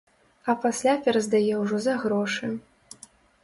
А пасля пераздае ўжо за грошы.